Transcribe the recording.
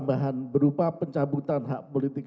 tambahan berupa pencabutan hak politik